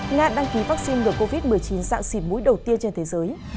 nga đăng ký vaccine nửa covid một mươi chín dạng xỉn mũi đầu tiên trên thế giới